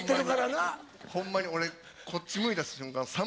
ホンマに俺こっち向いた瞬間さん